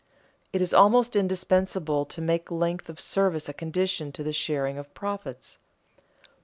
It is almost indispensable to make length of service a condition to the sharing of profits.